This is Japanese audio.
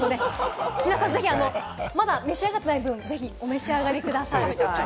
ぜひ皆さん、まだ召し上がっていないものをお召し上がりください。